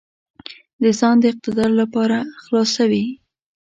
د ځان د اقتدار لپاره خلاصوي.